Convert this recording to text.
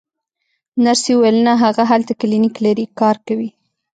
نرسې وویل: نه، هغه هلته کلینیک لري، کار کوي.